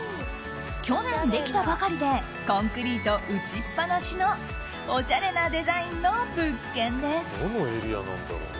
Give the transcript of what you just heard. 去年できたばかりでコンクリート打ちっぱなしのおしゃれなデザインの物件です。